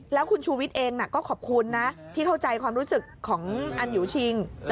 แล้วคุณชูวิทย์เองก็ขอบคุณนะที่เข้าใจความรู้สึกของอันยูชิง